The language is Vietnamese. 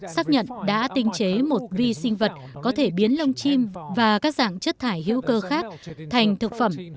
xác nhận đã tinh chế một vi sinh vật có thể biến lông chim và các dạng chất thải hữu cơ khác thành thực phẩm